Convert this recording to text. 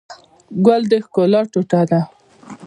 ګل د ښکلا ټوټه ده.